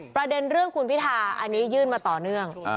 ประเด็นเรื่องคุณพิธาอันนี้ยื่นมาต่อเนื่อง